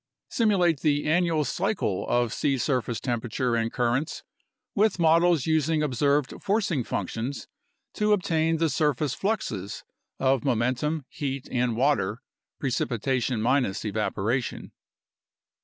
Simulate the annual cycle of sea surface temperature and currents with models using observed forcing functions to obtain the surface fluxes of momentum, heat, and water (precipitation minus evaporation).